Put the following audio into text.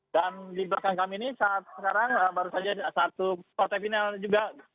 dan di belakang kami ini saat sekarang baru saja ada satu partai final juga